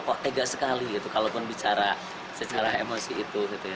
kok tegas sekali gitu kalaupun bicara secara emosi itu